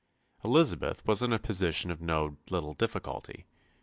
Elizabeth was in a position of no little difficulty.